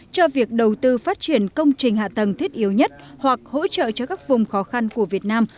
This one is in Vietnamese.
cho việc đầu tư phát triển công trình hạ tầng thiết yếu nhất hoặc hỗ trợ cho các vùng khó khăn của việt nam